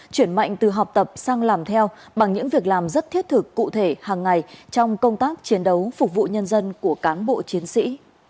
chuyển mạnh từ học tập sang làm theo bằng những việc làm rất thiết thực cụ thể hàng ngày trong công tác chiến đấu phục vụ nhân dân của cán bộ chiến sĩ